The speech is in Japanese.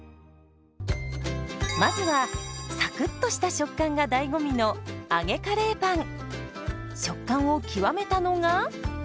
まずはサクッとした食感が醍醐味の食感を極めたのが。